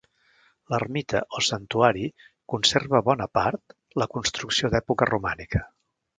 L'ermita o santuari conserva bona part la construcció d'època romànica.